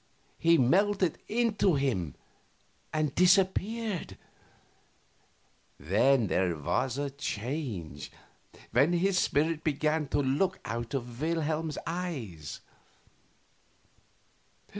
He melted into him and disappeared; and then there was a change, when his spirit began to look out of Wilhelm's eyes.